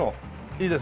いいですね？